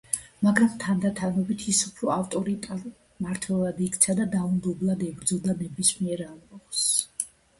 მაგრამ თანდათანობით ის უფრო ავტორიტარულ მმართველად იქცა და დაუნდობლად ებრძოდა ნებისმიერ ამბოხს.